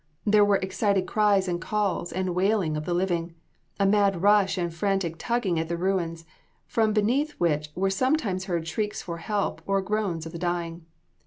There were excited cries and calls and wailing of the living; a mad rush and frantic tugging at the ruins, from beneath which were sometimes heard shrieks for help or groans of the dying.